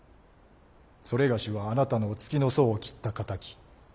それがしはあなたのお付きの僧を斬った仇。